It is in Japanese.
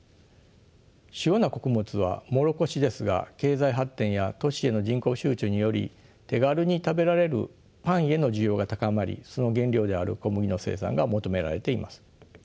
主要な穀物はモロコシですが経済発展や都市への人口集中により手軽に食べられるパンへの需要が高まりその原料である小麦の生産が求められています。